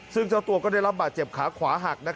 ซึ่งเจ้าตัวก็ได้รับบาดเจ็บขาขวาหัก